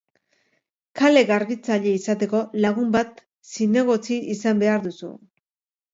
Kale-garbitzaile izateko, lagun bat zinegotzi izan behar duzu.